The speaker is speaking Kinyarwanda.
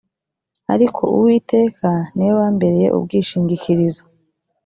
ariko uwiteka ni we wambereye ubwishingikirizo